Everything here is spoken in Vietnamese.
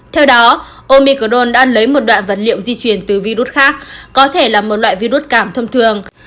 theo đó omicron đã lấy một đoạn vật liệu di chuyển từ virus khác có thể là một loại virus cảm thông thường